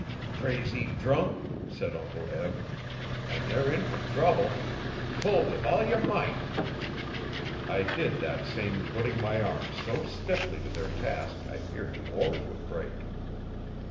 'Crazy drunk,' said Uncle Eb, 'an' they're in fer trouble. Pull with all yer might.' I did that same putting my arms so stiffly to their task I feared the oars would break.